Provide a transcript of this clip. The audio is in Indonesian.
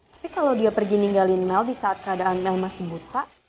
tapi kalau dia pergi ninggalin mel di saat keadaan mel masih buka